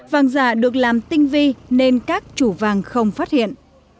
vàng giả được làm tinh vi nên các chủ vàng không phát hiện